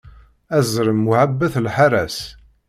Azrem muhabet lḥaṛa-s.